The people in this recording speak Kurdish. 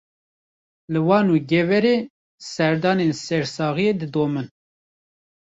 Li Wan û Geverê, serdanên sersaxiyê didomin